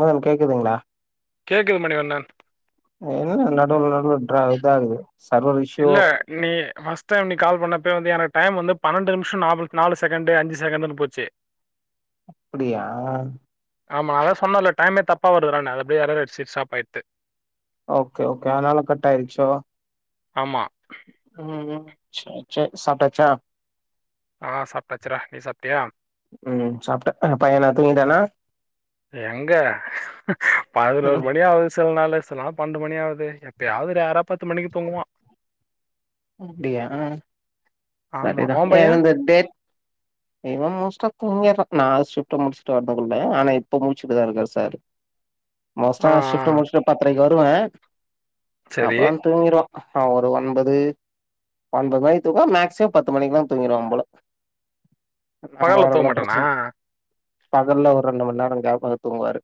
மேகன் கேக்குதுங்களா கேட்குது மணிவண்ணன் என்ல்ல நடுல நடுல ட்ரா இதுகுது இல்ல நீ ஃபஸ் டைம் நீ கால் பண்ணப்ப வந்து எனகு டைம் வந்து பன்னெண்டு நிமிஷோ நா நாலு செகண்டு அஞ்சு செகண்டுன்னு போச்சு அப்புடியா ஆமா அதா சொன்னல்ல டைமே தப்பா வருதுறானு அப்டியே யாரர் அடிச்சு சாப் ஆய்து ஓகே ஓகே ஆதனால கட் ஆய்டிச்சோ ஆமா ம் சே சேரி சப்டாச்சா ஆ சாப்ட்டாச்சுடா நீ சாப்டியா ம் சாப்ட்ட ஆ பையனா தூங்கி டானா எங்க பதினோரு ம் மணியாவது சில நாளு சில நாள் பன்னெண்டு மணி ஆகுது எப்பயாவது ரேரா பத்து மணிக்கு தூங்குவா அப்டியா ஆ ஆமா. சரிதா உன் பையன்? ஏனந்து டேட் இவ மோஸ்ட தூங்கிற நா சிப்ட முடிச்சுட்டு வரதுக்குள்ள ஆனா இப்ப முடிச்சுட்டுதா இருக்காரு சாரு ஆ மோஸ்டா ஆ. சிப்டு முடிச்சிட்டு பத்தரைக்கு வருவ சரி. அப்பலா தூங்கிறுவ அவ ஒரு ஒன்பது பன்னெண்டு மணி தூங்குவா மேக்சிமம் பத்து மணிக்குல்லா தூங்கிரவபோல நம்ப பகல்ல தூங்க ஆளுங்களா மாட்டானா? படிச்சு பகல்ல ஒரு ரெண்டு மணி நேரோ கேப்க தூங்குவாரு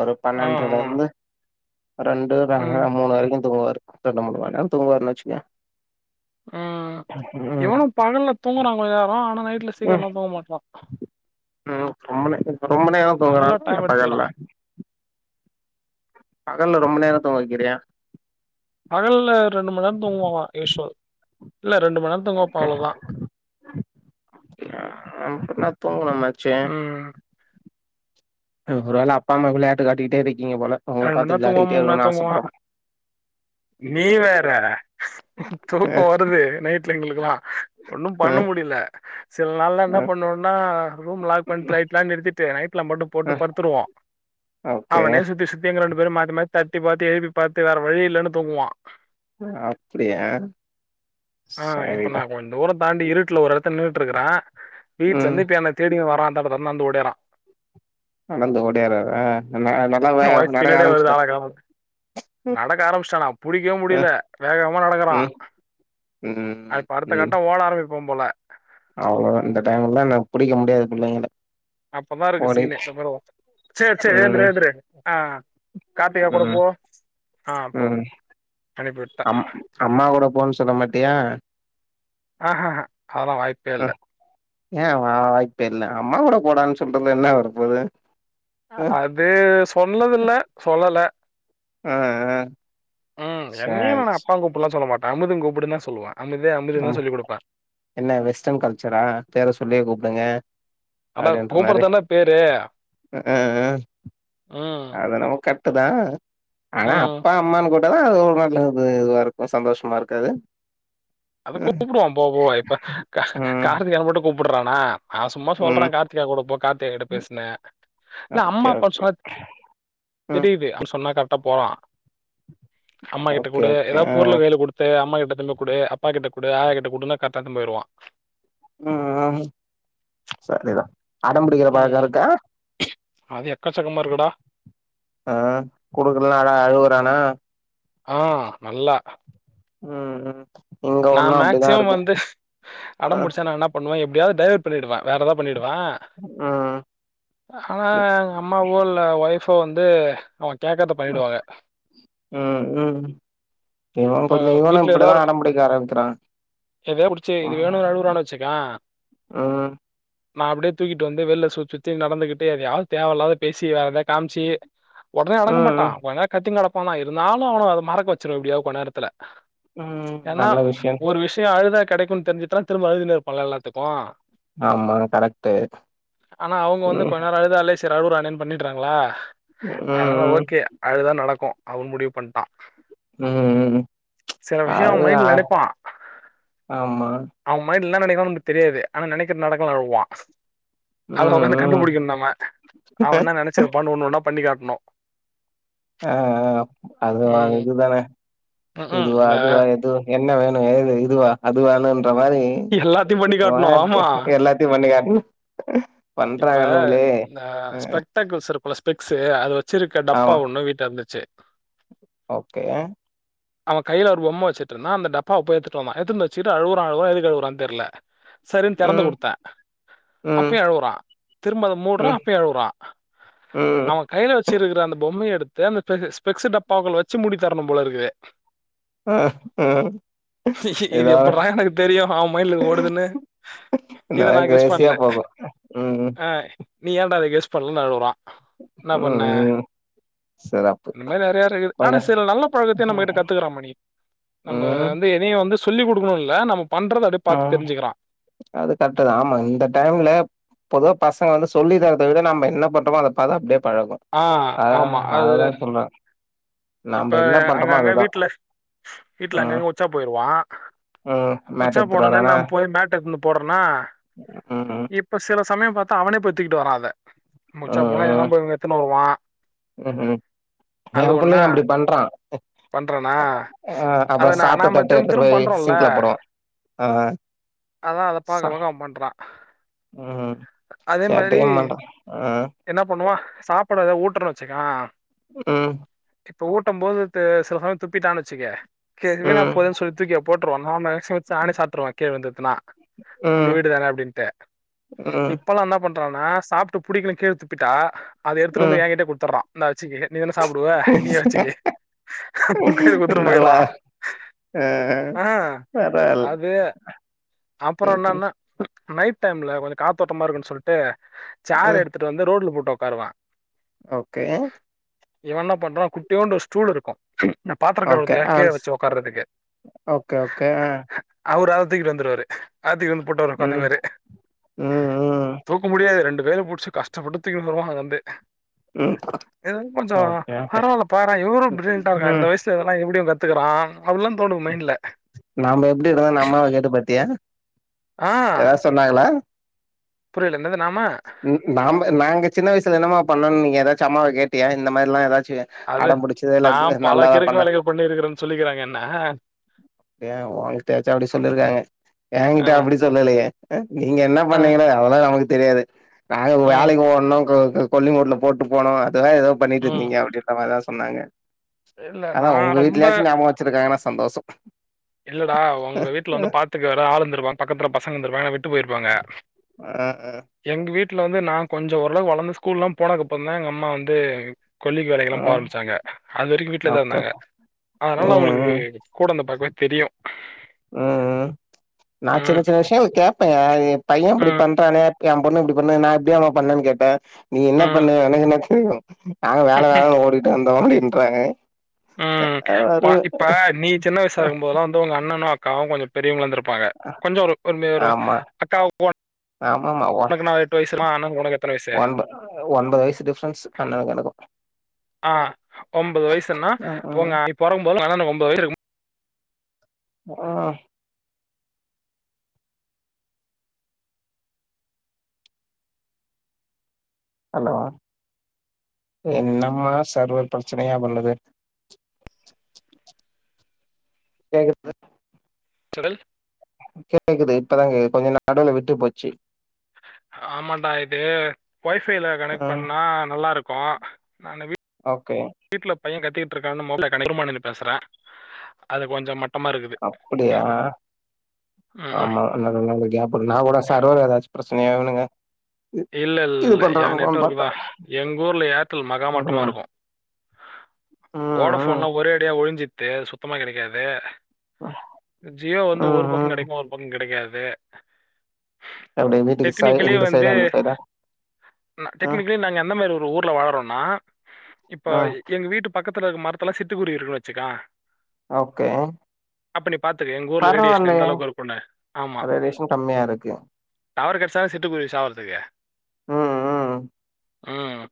ஒரு ஆ பன்னெண்டுல ஆ. இருந்து ரெண்டுர ம் மூணு வரைக்கு தூங்குவாரு ரெண்டு மூண மண் நேரோ தூங்குவருன்னு வச்சுக்கோய ம் ம் எவனோ பகல்ல தூங்குறாங்க யாரு ஆனா நைட்ல ம் சீக்கரம்லா தூங்க மாட்றா ம் ரொம்ப நே ரொம்ப நேரோ நல்லா தூங்குறானா இல்ல டைம் எடுத்துக்கறா பகல்ல பகல்ல ரொம்ப நேரோ தூங்க வைக்கிறியா பகல ரெண்டு மண் நேரோ தூங்குவா யூசோர் ஓகே நா தூங்கணு சேரி ம். ஒருவேல அப்பா அம்மா விளையாட்டு காட்டிட்டே இருக்கீங்க போல உங்க மணி பாத்து நேரம் தூங்குவான், விளையாடிட்டே மணி நேரம் இருக்கனு தூங்குவான். ஆசைப்படுறா நீ வேற தூக்கோ வருது நைட்ல எங்ளுக்குல்லா ஒன்னு பண்ண முடில சில நாள்லான்தா என்ன பண்ணுவோனா ரூம் லாக் பண் ட்ரைட்லா நிறுத்திட்டு நைட்லாம் மட்டு போட்டு பருத்துருவோ ஓகே தேங்க ரெண்டு பேரு மாத்திமா தட்டி பாத்து எழுப்பி பாத்து வேற வழி இல்லன்னு தூங்குவா அ அப்பிடியா சரிதா தோருன் தாண்டி இருட்ல ஒரு எடத்துல் நின்னுட்ருக்றா வீட்ல ம் இந்தேப்பே என்ன தேடிங்க வரா அந் தகுதன் நந்து ஓடேறா நடந்து ஓடியாரரா நன்னேஹா நன் எ வாய்ஸ் பின்னடே வருது ஆள கானோன்ட்டு நடக்க ஆரம்பிச்சானா புடிக்கவே முடில ம் வேகமா நடக்கறா ம் ம் அப் அடுத்த ம் கட்டோ ஓட ஆரம்பிப்பா போல அவ்ளோதா இந்த டைம் எல்லா நங் புடிக்க முடியாது பிள்ளைங்கல அப்போதா இருக்கு சீனு வெவ்வரவோ ச்சேர் ச்சேர் ம் ஏந்துறு ஏந்துறு ஆ கார்த்திகா கூட ம் போ ஆ போ ம் அனுப்பி விட்டே அம் அம்மா கூட போன் சொல்ல மாட்டியா அஹாஹா ஆலா வாய்பே இல்ல யா வா வாய்ப்பே இல்ல அம்மாவோட போடான் சொல்டுத்ல என்னா வரப்போது ம் அது சொல்னதுல சொல்லல ஆ ஆ உம் என்னையு சேரி வேணா சே அப்பாங் கூப் ப்பல்லா சொல்லாமாட்டா அமுதுங் கூப்டன்னே சொல்லுவா அமிர்தே அமிதினு ம் சொல்லி குடுப்பா என்ன வெஸ்ட்டன் கல்ச்சரா பேர சொல்லியே கூப்டுங்க அ அதா டியான் தொன்னாரே கூப்புட்றதுதான பேரு அஆ ம் அத நம கட் ட்டுதா ஆனா ம் அப்பா அம்மான்னு கூட்டாதா அது ஒரு நல்லது இதுவா இருக்கு சந்தோஷ்மா இருக்காது அத ம் கூப்புடுவா போவ் போவ இப்ப கா ம் கார்த்திகா மட்டு கூப்புட்றானா நா சும்மா சொல்றே ம் கார்த்திகா கூடப்போ கார்த்திகா கிட்ட பேசுனே ல அம்மா ஓகே அப்பான் ஓகே சொனத் ம் தெரியுது அவ் சொன்னா கரக்ட்டா போலா அம்மா கிட்ட ஓகே கூட ஓகே ஏதாவ் ஆ பொர்ளு வேல குடு து அம்மா கிட்ட தின்னு குடு அப்பா கிட்ட குடு ஆயா கிட்ட குடுன்னு கர்ட்டா எத்துன் போய்டுவா உம் சரிதா அடம்பிடிக்கிற பழக்க ம். இருக்கா அது எக்காச்சக்கமா இருக்குடா அ குடுக்குல அல அழுவுறானா ஆ நல்லா ம் ம் இங்க நா ஒண்ணு அப்டிதா மேக்ஸிம் இருக்கு வந்து ஆ அடம்புடிச்சா நா என்னா பண்ணுவே எப்டியாவ்த் டைவட் பண்ணிடுவே வேறு எதாவ் பண்ணிடுவே ம் ஹானா எங்க அம்மாவோ இல்ல ஒய்ஃபோ வந்து ஓஅய் கேக்கர்த பண்ணிடுவாஎ இவனு கொஞ்சு இவனு இப்படிதா அடம் பிடிக்க ஆரம்க்கிறா எதயா புடிச்சி இது வேணு அழுவுறானு வெச்சுக்கா ம் நா அப்டே தூக்கிட் வந்து வேல்ல சு ச்சுத்தி நடந்துகிட்டே எதுயாவ் தேவ இல்லாத பேசி வேறெதா காம்ச்சி ஒடனே அடங்கமாட்டா ம் கொஞ்ச நேர் கத்தின் கெடப்பானா இருந்தாலு அவ்ன அத மறக்க வச்சிர்வே இப்டியாவ் கொ நேரத்துல உம் ஏன்னா நல்ல விஷ்யன் ஒரு விஷ்யு அழுதா கெடைக்குன் தெரிஞ்சுட்றா திரும்ப அழுதினே இப்பால்ல எல்லாத்துக்கு ஆமா கரெக்ட்டு ஆனா அவ்ங் வந்து ம் கொஞ்ச நேர அழுதாலேஸ் சர் அழுவுரானேன் பண்ணிட்றாங்ளா அதனால ம் ம் ஓகே அழுதா நடக்கு அவு முடிவ் பண்ட்டா ம்ம்ம் சில விஷயோ அவ அழு மைண்ட்ல ஆ நெனைப்பா ஆமா அவ மைண்ட்ல என்ன நெனைக்கிறானு நமக்கு தெரியாது ஆனா நெனைக்கிறது நடக்கலனு அழுவுவா அத ம் உக்காந்து ம் கண்டுபுடிக்கணு நாம அவ என்னா நெனைச்சிருப்பான்னு ஒண்ணு ஒன்னா பண்ணி காட்ணு அ அ அது ஒ ம் இது தானே ம்ஹூம் இதுவா இந்த அதுவா எது என்ன வேணு எது இதுவா அதுவானுன்ற மாரி ம், எல்லாத்தையு பண்ணி ஒரு காட்டணு மாரி ஆமா எல்லாத்தையு பண்ணிக்காட்டுனு பண்றானுங்களே ஸ்பெட்டகல்ஸ் இருக்குல ஸ்பெக்ஸ் அது வச்சிருக்க டப்பா ஆமா ஒண்ண வீட்ல இருந்துச்சு ஓகே அவன் கையில ஒரு பொம்ம வச்சிட்டு இருந்தா அந்த டப்பாவ போயி எடுத்துட்டு வந்தா எடுத்துட்வந்து வச்சு கிட்டு அழுறா அழுறா எதுக்கு அழுவுறானு தெரியல சரின்னு தெறந்து ம் குடுத்தே ம் அப்பயு அழுவுறா திரும்ப அத மூடுறா ம் அப்பயு அழுவுறா ம் அவ கையில வச்சுருக்கிற அந்த பொம்மைய எடுத்து அந்த ஸ்பெ ஸ்பெக்ஸ் டப்பாக்குள்ள வச்சு மூடித்தரணு போல இருக்கு ம், ம் இது எப்புட்றா எனக்கு தெரியு அவ மைண்ட்ல ஓடுதுன்னு இத நல்லா நான் கெஸ் கிரேசியா பண்ணல. போகு, ம் ஆ, நீ ஏன்டா அதை கெஸ் பண்ணலனு அழுவுறா, என்ன பண்ண ம் ம் சிறப்பு இந்தமேரி நெறைய இருக்குது போங்க ஆனா சில நல்ல பழக்கத்தையு நம்ம ம் கிட்ட கத்துக்கிறா மணி நம்ப ம் வந்து எதையு வந்து சொல்லி குடுக்கணுனு இல்ல நம்ப பண்றத அப்டியே பாத்து ம், தெரிஞ்சுக்கிறான். அது கரெக்ட்தா ஆமா இந்த டைம்ல பொதுவா பசங்க வந்து சொல்லி தரத விட நம்ம என்ன பண்றமோ அதை பாத்து அப்டியே பழகும் ஆ, ஆமா அது இப்ப நாம என்ன பண்றோமோ அங்கங்க அதுதா வீட்ல வீட்டுல ம் அங்கங்க உச்சா போயிருவா ம் மேட் உச்சா போ எடுத்துட்டு னோனே வரானா நாம போய் மேட் எடுத்துவந்து போட்றனா ம் ம் இப் ப்ப சில சமயம் பாத்தா அவனே போய் தூக்கிட்டு வரா அத நம்ம உச்சா போனா இததா போய் இவ எத்துனு வருவா ம்ஹூம் என் புள்ளையு அப்டி பண்றா, பண்றானா அ அத அப்பறோ நா சாப்ட நாம தட்ட திரும்ப எடுத்துட்டு திரும்ப போய் பண்றோம்ல சிங்க்ல போடுவா அ அதா அத பாக்க பாக்க அவன் பண்றா ம் சேட்டையு பண்றா என்ன பண்ணுவா சாப்பிட எதா ஊட்டுறன்னு வச்சுக்கா ம் இப்ப ஊட்டும் போது து சில சமயம் துப்பிட்டான்னு வச்சுக்க க வீணா ம் போதுன்னு சொல்லி தூக்கி போட்ருவோ நா மேக்ஸிமம் நானே சாப்ட்டுருவே கீழ விழுந்துதுன்னா நம்ம ம் வீடுதான அப்டின்ட்டு ம் இப்பெல்லா என்ன பண்றன்னா சாப்ட்டு புடிக்கலனு கீழ துப்பிட்டா அத எடுத்துட்டு வந்து ம் என்கிட்ட குடுத்துட்றா இந்தா வச்சுக்க நீதான சாப்புடுவ நீயே வச்சுக்க அப்டினு கையில குடுத்துட்டு நல்லா போயிட்றா ஆ ஆ பரவால்ல அது அப்பறோ ம் ம் என்னான்னா நைட் டைம்ல கொஞ்சோ காத்தோட்டமா இருக்குனு சொல்ட்டு ஆ ச்சேர் எடுத்துட்டு வந்து ரோட்ல போட்டு உக்காருவ ஓகே இவ என்ன பண்றா குட்டியோண்டு ஒரு ஸ்டூல் இருக்கு இந்த பாத்திர ஓகே கழுவறதுருக்காக கீழ ஆல்ஸ் வச்சு உக்காறதுக்கு ஓகே ஓகே ஆ அவரு அத தூக்கிட்டு வந்துருவாரு அத தூக்கிட்டு வந்து போட்டு அவரு ம் உக்காந்துப்பாரு ம் ம் தூக்க முடியாது ரெண்டு கைல புடுச்சு கஷ்டப்பட்டு தூக்கின்னு வந்துருவா நடந்து ம் எதாது கொஞ்சோ ஓகே ஓகே பரவால்ல பாறே இவரு பிரில்லியன்ட்டா இருக்கா ம் இந்த வயசுல எல்லா எப்டி அவ கத்துக்கிறா அப்டில்லா தோணு மைண்ட்ல நாம எப்டி இருதோனு அம்மாவ கேட்டு பாத்தியா ஆ ஏதாவது சொன்னாங்களா புரியல என்னது நாம நாம்ப நாங்க சின்ன வயசுல என்னமா பண்ணோனு நீங்க ஏதாச்சு அம்மாவ கேட்டியா இந்த மாரிலா ஏதாச்சு அடம்புடிச்சதே இல்ல நல்லாதா பண்ணே பண்ணி இருக்குறேன்னு சொல்லிக்கிறாங்க என்ன ஏ ஓங்கிட்ட எச்சா அப்டி சொல்லியிருக்காங்க ஆ ஏங்கிட்ட அப்டி சொல்லலையே அ நீங்க என்ன ஆ பண்ணீங்களோ அதெல்லா நமக்கு தெரியாது நாங்க ம் வேலைக்கு ஓட்னு கோ க கொல்லிங்கோட்ல போட்டு போனோ அதுவா ஏதோ பண்ணிட்டு ம் இருந்தீங்க அப்டின்ற மாரிதா சொன்னாங்க இல்ல அதா நா ஒங்க ரொம்ப வீட்டுலயாச்சு ஞாபோ வச்சிருக்காங்கன்னா சந்தோஷோ இல்லடா உங்க வீட்ல வந்து பாத்துக்க வேற ஆளு இருந்திருப்பாங்க பக்கத்துல பசங்க இருந்திருப்பாங்க ஏனா விட்டு போயிருப்பாங்க ஆ ஆ எங்க வீட்ல வந்து நா கொஞ்சோ ஓரளவு வளந்து ஸ்கூல்லா போனதுக்கு அப்புற தா எங்க அம்மா வந்து கொல்லிக்கு வேலைக்கி எல்லா ஆ போ ஆரம்பிச்சாங்க அது வரைக்கு வீட்ல தா ஓகே இருந்தாங்க அதனால ம் அவுங்களுக்கு ம் கூட இருந்து பாக்கவே தெரியு ம் ம் நா சின்ன ம் சின்ன விஷயங்கள் கேப்பேங்க எ பைய இப்டி ம் பண்றானே என் பொண்ணு இப்டி பண்ணு நா இப்டியாமா பண்ணேன்னு கேட்டே நீ என்ன ம் பண்ணுவ எனக்கு என்ன தெரியு நாங்க வேல வேலன்னு ஓடிட்டு வந்தோ அப்டின்றாங்க ம் நல்லா வ வருவே இப்ப நீ சின்ன வயசா இருக்கும் போதெல்லா வ ந்து உங்க அண்ணனு அக்காவு கொஞ்சசோ பெரியவங்களா இருந்துருப்பாங்க கொஞ்ச ஒரு கொல்லி ஒரு அக்கா ஒ ஆமா ஆமா ஒன் அண்ணனுக்கு உனக்கு எத்தன வயசு ஒன்ப ஒன்பது வயசு டிஃப்ரன்ஸ் அண்ணனுக்கு எனக்கு ஆ ஒம்பது வயசுன்னா ம் இப்ப ம் உங்க நீ பொறக்கு போது உங்க அண்ணனுக்கு ஒன்பது வயசு இருக்கும் ஆ ஹலோ என்னம்மா சர்வர் பிரச்சனையா பண்ணுது கேக்குது சுடல் கேக்குது இப்பதா கேக்கு கொஞ்ச நடுவுல விட்டு போச்சு ஆமான்டா இது ஒய்ஃபைல கனெக்ட் ம் பண்ணா நல்லா இருக்கும் நானு வீ ஓகே வீட்ல பையன் கத்திட்டு இருக்கான்னு மொபைல [unintelligible] பேசுறே அது கொஞ்ச ம அப்டியா ம் ம் ஆமா ப்ப நல்லா கேப் விடு நா கூட சர்வர் ஏதாச்சு பிரச்சனையாவலங்க இல்ல இல்ல இல்ல எ நெட் ஒர்க் பாத்தே தா எங்க ஊர்ல ஏர்டெல் மகா மட்டமா ம் இருக்கு ம் ம் ஓடஃபோன்லா ஒரே அடியா ஒழிஞ்சித்து சுத்தமா கெடைக்காது ஆஹ ஜியோ வந்து ஒரு பக்க கெடைக்கு ஒரு பக்க கெடைக்காது எப்டி வீட்டுக்கு சை டெக்னிக்கலி இந்த சைதா அந்த சைதா ம் நா டெக்னிகலி நாங்க எந்த மாரி ஒரு ஊர்ல வாழறோனா இப்போ ம் எங்க வீட்டு பக்கத்துல இருக்க மரத்துல சிட்டுக்குருவி இருக்குன்னு வச்சுக்கா ஓகே அப்ப நீ பாத்துக்க எங்க ஊர்ல ரேடியேஷன் எந்த பரவாயில்லயே அளவுக்கு இருக்குன்னு ஆமா ரேடியேஷன் கம்மியா இருக்கு டவர் கெடச்சா தா சிட்டுக்குருவி சாவறதுக்கு ம் ம் ம்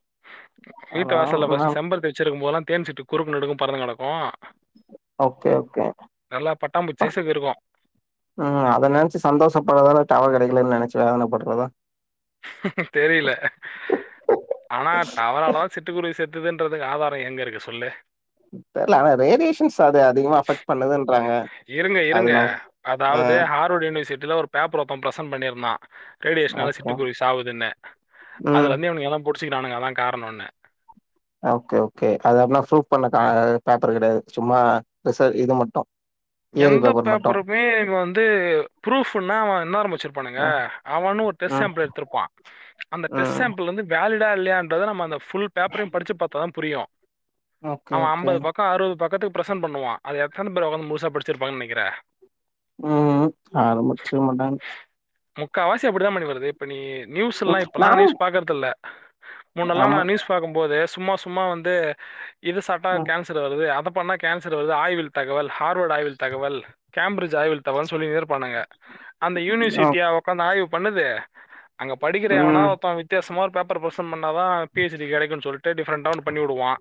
வீட்டு ஆனா வாசல்ல நா ஃபர்ஸ்ட்டு செம்பருத்தி வச்சிருக்கும் போதெல்லா தேன்சிட்டு குறுக்கு நெடுக்கு பறந்து நடக்கு ஓகே ஓகே ப சைஸுக்கு இருக்கும் உம் அத நனச்சு சந்தோஷப்படுறதால டவர் கடைகள்லன்னு நனைச்சு வேதன படுறதா தெரியல ஆனா தவறால தான் சட் ட்டு குருவி செதாத்துன்றதுக்கு ஆதாரம் எங்க இருக்கு சொல்லு தெரில ஆனா ரேடியேஷன்ஸ் அத அதிகமா அஃபெக்ட் பண்ணுதுன்றாங்க இருங்க அது இருங்க நமக்கு அ அதாவது ஹார்வர்ட் யூனிவர்சிட்டியில ஒரு பேப்பர் பிரசன்ட பண்ணியிருந்தான் ரேடியேஷன ஓகே. சிட்டுக் சவுதுன அதுல ம். இருந்தே இனுங்கலா புடிச்சிக்கானுங்க அதான் காரணம்னு ஓகே ஓகே அது அப்பனா ப்ரூவப் பண்ண ஆ பேப்பர் கடையாது சும்மா சார் இது மட்டும் தியரி எந்த பேப்பர் மட்டும். பேர்பருமே வந்து பரூப்னா அவ என்ன ஆரம வெச்சிருப்பானுங்க ம். அவ ஒண்ணு டெஸ்ட் ம். சாம்பிள் எடுத்திருப்பான் அந்த டெஸ் ம். சாம்பிள் வந்து வேலிடா இல்லையா ந அ பு பேப்பர படிச்ச பார்த்தான் புரியும் ஓகே அவன் ஓகே. ஐம்பது பக்க அறுவது பக்கத்துக்கு பிரசன் பண்ணுவா அத எத்தன பேர் ஒக்காந்து முழுசா படிச்சிருப்பாங்குனு நெனக்கிற ம் ஆரம்பிச்சு மாட்டாங்க முக்காவாசி அப்டிதா மணி வருது இப்ப நீ நியூஸ் எல்லா ம். இப்பெல்லா நாம நியூஸ் பாக்குறதுல்ல மூன்னெல்லாம் ஆமா. நான் நியூஸ் பார்க்கும் போது சும்மா சும்மா வந்து இது சாப்ட்டா ம். கேன்ஸ் சர் வருது அத பண்ண கன்சர் வருது ஆய்வில் தகவல் ஹார்வர்ட் ஆய்வல் தகவல் கேம்பிரிட்ஜ் ஆய்வில் தகவல் சொல்லி நேரப்பானங்க அந்த ஓக் யூனிவர்சிட்டியா காந்து ஆய்வு பண்ணுது அங்க படிக்கிறவனா ம். ஒருத்தன் வித்தியாசமா ஒரு பேப்பர் பர் பரசன் பண்ணாதான் பிஹெச்டடி கடைக்குன்னு சொல்லிட்டு டிஃரெண்டா பண்ணி வுடுவான்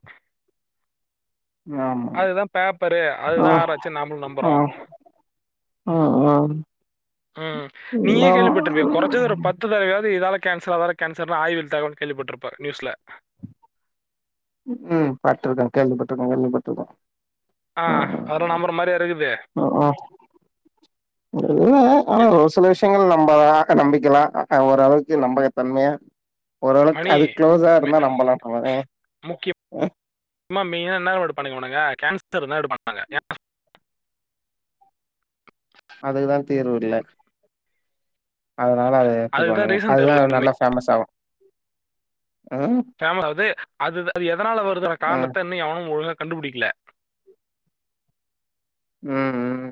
ஆமா. அதுதான் பேப்பரு அ. அதுதான் ஆராச்சி நம்மள அ. அப்ரோ ம். ம். உம் நீயே கேள்விப்பட்டிருப்ப ஆமா. குறஞ்சது ஒரு பத்து தடவையாவது இதால கேன்சர் அதால கேன்சர்னு ஆய்வில் தகவல் கேல்விபட்டிருப்பா நியூஸ்ல ம் பட்டிருக்க கேள்விப்பட்டிருக்க கேள்விப்பட்டிருக்க ஆ அதுலா நம்பர மார யா இருக்குது ம் ம் இல்ல எ, ஒரு சில விஷயங்கள் நம்ம நம்பிக்கலாம் ஓரளவுக்கு நம்பகதன்மையா ஓரளவுக்கு மணி அது க்ளோஸா மெ- இருந்தா நம்மளாம்ட்டுன் இம்மா மீன என்னும் பண்ணிக்கங்கடாங்க கேன்சர் இருந்தடு பண்ணுவங்கன் அதுக்குதான் தீர்வு இல்ல அதனால அத அதுதான் ஏத்துக்கணுங்க ரீசன் அதுதான் தெரியல நல்லா ஃபேமஸ் ஆகம் ஃபேம அது அது அது எதனால வருதான ம் காரணத்த இன்னு எவனு ஒழுங்கா கண்டுபுடிக்கல ம் ம்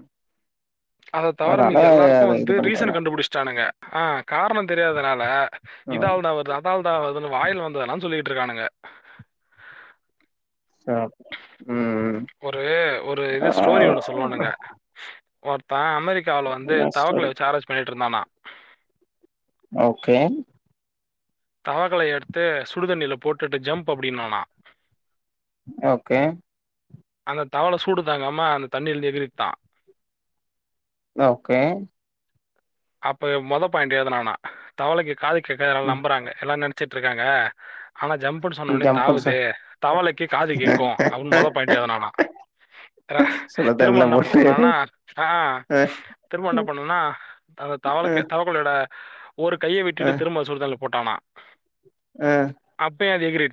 அத தவிர அதனால மீதி எல்லாருக்கு அத வந்து இது ரீசன் பண்றாங்க கண்டுபிடிச்சட்டானுங்க ஆ காரணோ தெரியாதனால ம் இதால தா வருது அதால தா வருதுனு வாயில வந்ததெல்லா சொல்லிட்டு இருக்கானுங்க ஆ ஒரு ஒரு இது ஸ்டோரி ஒண்ணு சொல்லுவானுங்க ஒருத்த அமெரிக் கா ஆளு வந்து ம் சரி. தவக்கலய வச்சு ஆராய்ச்சி பண்ணிட்டு இருந்தானா ஓகே தவகளைய எடுத்து சுடுதண்ணியில போட்டுட்டு ஜம்ப் அப்டினானா ஓகே அந்த தவள சூடு தாங்காம அந்த தண்ணில இருந்து எகிரிர் தா ஓகே அப்ப மொதோ பாயிண்ட் எழுதுனானா தவளைக்கு காது கேட்காதுனு எல்லாரு ம் நம்புறாங்க எல்லார் நென சிட்டுருக்காங்க ஆனா ஜம்ப் ப்புனு சொன்ன ஒனே ஜம்ப்புன்னு சொ தாவுதே தவளைக்கு காது கேக்கு அப்டின் மொதோ பாய்ன்ட் எழுதுனானா ர சுடு திரும்ப தண்ணில என்ன போட்டு பண்ணானா ஆ அ திரும்ப என்ன பண்ணானா அ தவளக்க தவக்களையோட ஒரு கைய ஆ, வெட்டிட்டு திரும்ப சுடுதண்ணில போட்டானா ஆ அப்பயு அது எகிரிட்